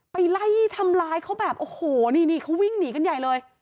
ไปไล่ทำร้ายเขาแบบโอ้โหนี่เขาวิ่งหนีกันใหญ่เลย